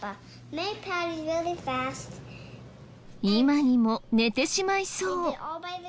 今にも寝てしまいそう。